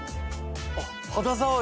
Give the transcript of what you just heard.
あっ肌触り。